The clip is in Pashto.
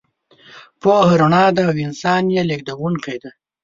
پوهه رڼا ده او انسان یې لېږدونکی دی.